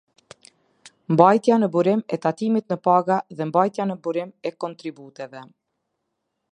Mbajtja në burim e tatimit në paga dhe mbajtja në burim e kontributeve.